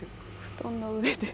布団の上で。